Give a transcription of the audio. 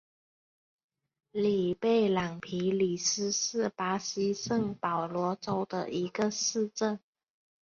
里贝朗皮里斯是巴西圣保罗州的一个市镇。